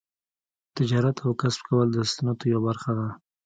تجارت او کسب کول د سنتو یوه برخه ده.